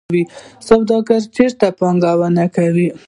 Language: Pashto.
سوداګر چیرته پانګونه کوي؟